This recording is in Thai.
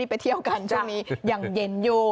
ไปเที่ยวกันช่วงนี้ยังเย็นอยู่